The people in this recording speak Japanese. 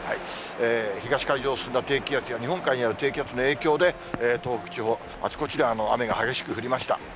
東海上を進んだ低気圧や日本海にある低気圧の影響で、東北地方、あちこちで雨が激しく降りました。